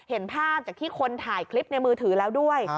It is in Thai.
เห็นภาพจากที่คนถ่ายคลิปในมือถือแล้วด้วย